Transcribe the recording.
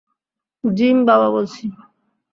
Gym, বাবা বলছি।